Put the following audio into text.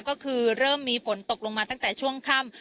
ก็คือเริ่มมีฝนตกลงมาตั้งแต่ช่วงค่ำ